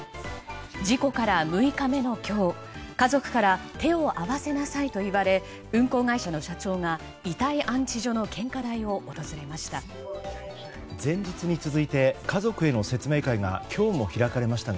事故から６日目の今日家族から手を合わせなさいと言われ運航会社の社長が遺体安置所の献花台を訪れました。